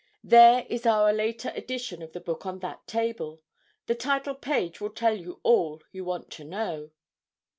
There is our later edition of the book on that table; the title page will tell you all you want to know.'